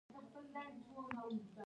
دزیرو ډکي پلوشې راوړي